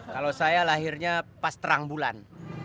kalau saya lahirnya pas terang bulan